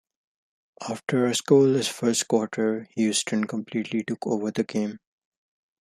After a scoreless first quarter, Houston completely took over the game.